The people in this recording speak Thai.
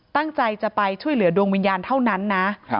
ตั้งใจจะไปช่วยเหลือดวงวิญญาณเท่านั้นนะ